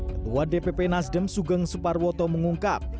ketua dpp nasdem sugeng suparwoto mengungkap